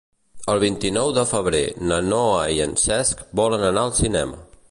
El vint-i-nou de febrer na Noa i en Cesc volen anar al cinema.